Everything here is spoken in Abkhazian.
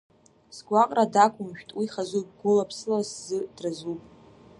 Сгәаҟра дақәымшәт уи хазуп, гәыла-ԥсыла сзы дразуп.